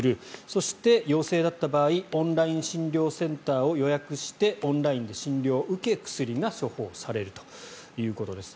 そして、陽性だった場合オンライン診療センターを予約してオンラインで診療を受け薬が処方されるということです。